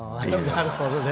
なるほどね。